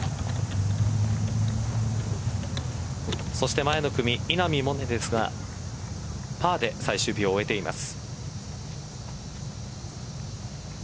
そして前の組、稲見萌寧ですがパーで最終日を終えています。